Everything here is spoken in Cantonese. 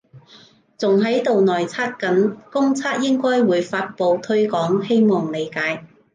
仲喺度內測緊，公測應該會發佈推廣，希望理解